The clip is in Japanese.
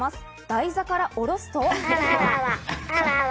台座から降ろすと。